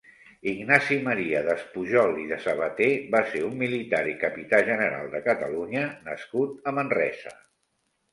Ignasi Maria Despujol i de Sabater va ser un militar i capità general de Catalunya nascut a Manresa.